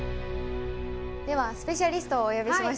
ではスペシャリストをお呼びしましたので。